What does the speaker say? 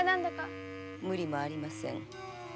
無理もありません